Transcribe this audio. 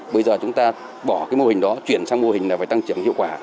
bây giờ chúng ta bỏ cái mô hình đó chuyển sang mô hình là phải tăng trưởng hiệu quả